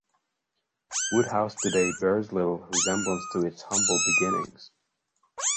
Woodhouse today bears little resemblance to its humble beginnings.